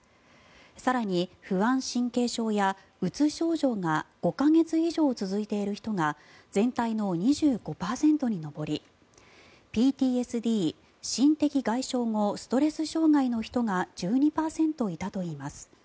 更に、不安神経症やうつ症状が５か月以上続いている人が全体の２５％に上りＰＴＳＤ・心的外傷後ストレス障害の人が１２％いたといいます。